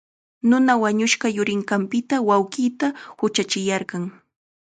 Nuna wañushqa yurinqanpita wawqiita huchachiyarqan.